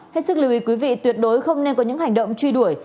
hết sức lưu ý quý vị tuyệt đối không nên có những hành động truy đuổi